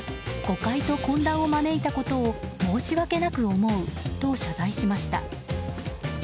誤解と混乱を招いたことを申し訳なく思うと謝罪しました。